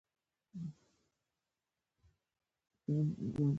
د خدای څخه ېې غوښتنه وکړه چې ماته د ژوند ګرده خوندونه راکړه!